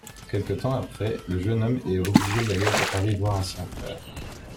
Quelque temps après, le jeune homme est obligé d'aller à Paris voir un sien frère.